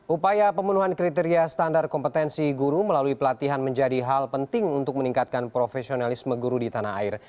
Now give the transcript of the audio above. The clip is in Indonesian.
upaya pemenuhan kriteria standar kompetensi guru melalui pelatihan menjadi hal penting untuk meningkatkan profesionalisme guru di tanah air